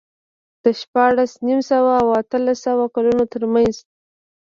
د شپاړس نیم سوه او اتلس سوه کلونو ترمنځ